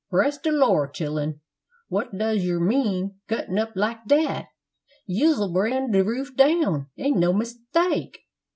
"Bress de Lor', chillun, what dose yer mean cuttin' up like dat! yous'll bring de roof down, an' no mistake!